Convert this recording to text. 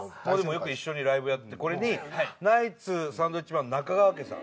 よく一緒にライブやってこれにナイツサンドウィッチマン中川家さん。